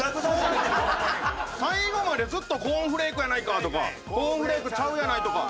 最後までずっと「コーンフレークやないか！」とか「コーンフレークちゃうやない」とか。